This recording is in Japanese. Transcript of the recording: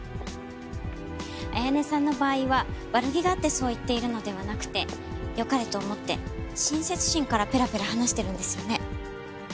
彩音さんの場合は悪気があってそう言っているのではなくて良かれと思って親切心からペラペラ話してるんですよね。